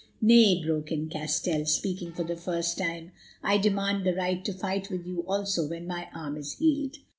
"Nay," broke in Castell, speaking for the first time, "I demand the right to fight with you also when my arm is healed."